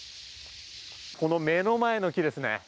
この目の前の木ですね。